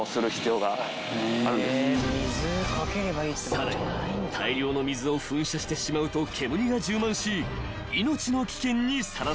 ［さらに大量の水を噴射してしまうと煙が充満し命の危険にさらされることも］